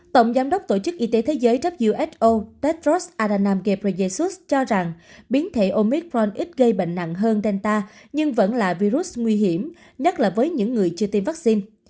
tổng giám đốc tổ chức y tế thế giới who tedros adhanom ghebreyesus cho rằng biến thể omicron ít gây bệnh nặng hơn delta nhưng vẫn là virus nguy hiểm nhất là với những người chưa tiêm vaccine